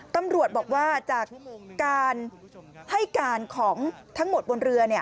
ตำรวจบอกว่าจากการให้การของทั้งหมดบนเรือ